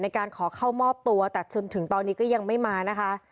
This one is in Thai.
การขอเข้ามอบตัวแต่จนถึงตอนนี้ก็ยังไม่มานะคะ